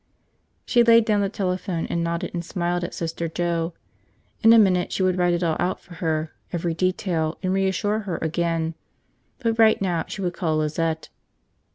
She laid down the telephone and nodded and smiled at Sister Joe. In a minute she would write it all out for her, every detail, and reassure her again. But right now she would call Lizette.